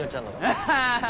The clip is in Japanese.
アハハハ。